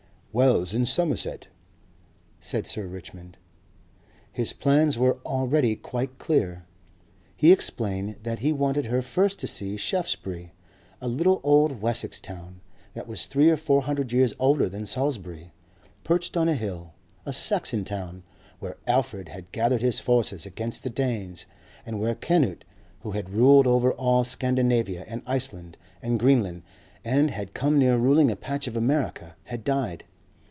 "Wells in Somerset," said Sir Richmond. His plans were already quite clear. He explained that he wanted her first to see Shaftesbury, a little old Wessex town that was three or four hundred years older than Salisbury, perched on a hill, a Saxon town, where Alfred had gathered his forces against the Danes and where Canute, who had ruled over all Scandinavia and Iceland and Greenland, and had come near ruling a patch of America, had died.